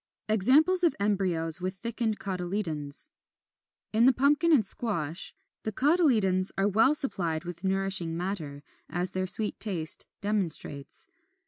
] 24. =Examples of Embryos with thickened Cotyledons.= In the Pumpkin and Squash (Fig. 26, 27), the cotyledons are well supplied with nourishing matter, as their sweet taste demonstrates.